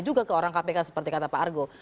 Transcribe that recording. juga ke orang kpk seperti kata pak argo